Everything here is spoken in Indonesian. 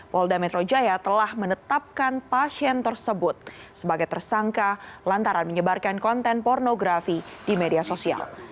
polda metro jaya telah menetapkan pasien tersebut sebagai tersangka lantaran menyebarkan konten pornografi di media sosial